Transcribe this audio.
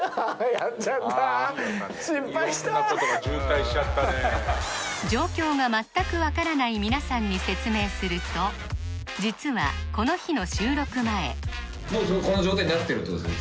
やっちゃった失敗した状況が全く分からない皆さんに説明すると実はこの日の収録前もうこの状態になってるってことですね